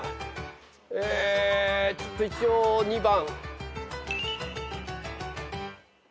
えちょっと一応２番。